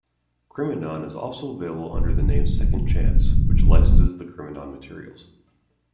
Criminon is also available under the name Second Chance, which licenses the Criminon materials.